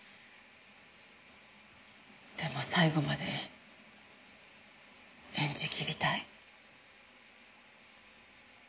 でも最後まで演じきりたい。